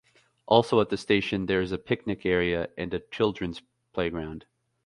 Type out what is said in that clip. Also at the station there is a picnic area and children's playground.